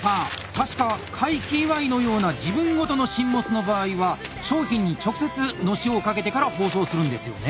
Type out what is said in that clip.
確か「快気祝」のような自分ごとの進物の場合は商品に直接熨斗を掛けてから包装するんですよね？